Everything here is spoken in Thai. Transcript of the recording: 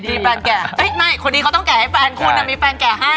มีแฟนแก่ไม่คนนี้เขาต้องแก่ให้แฟนคุณมีแฟนแก่ให้